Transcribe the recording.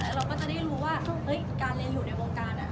เราก็จะได้รู้ว่าการเรียนอยู่ในวงการ